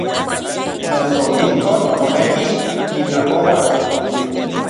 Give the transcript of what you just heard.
Noso ijkon moneki nitlapouas.